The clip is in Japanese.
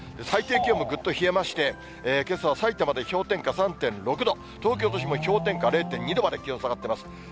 最低気温もぐっと冷えまして、けさはさいたまで氷点下３．６度、東京都心も氷点下０．２度まで気温下がってます。